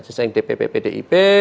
selesainya dpp pdip